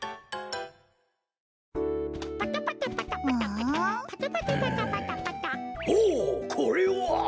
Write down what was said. んおおっこれは！